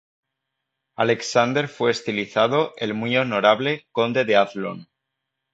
Alexander fue estilizado "El Muy Honorable" Conde de Athlone.